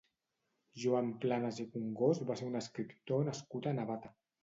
Joan Planas i Congost va ser un escriptor nascut a Navata.